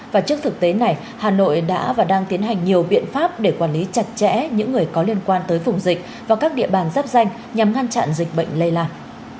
và trước thực tế này hà nội đã và đang tiến hành nhiều biện pháp để quản lý chặt chẽ những người có liên quan tới vùng dịch và các địa bàn giáp danh nhằm ngăn chặn dịch bệnh lây lan